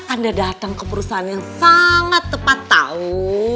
anda datang ke perusahaan yang sangat tepat tahu